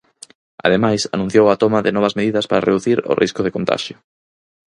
Ademais, anunciou a toma de novas medidas para reducir o risco de contaxio.